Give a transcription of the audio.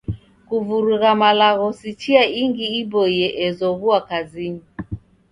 Kuvurugha malagho si chia ingi iboie ezoghua kazinyi.